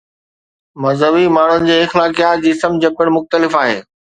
مذهبي ماڻهن جي اخلاقيات جي سمجھ پڻ مختلف آهي.